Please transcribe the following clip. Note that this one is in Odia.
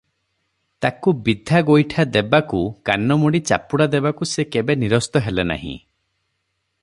ତାକୁ ବିଧା ଗୋଇଠା ଦେବାକୁ କାନ ମୋଡ଼ି ଚାପୁଡ଼ା ଦେବାକୁ ସେ କେବେ ନିରସ୍ତ ହେଲେ ନାହିଁ ।